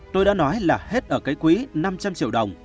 tôi đã nói là hết ở cái quỹ năm trăm linh triệu đồng